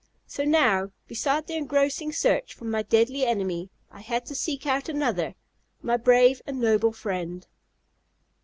So now, beside the engrossing search for my deadly enemy, I had to seek out another, my brave and noble friend.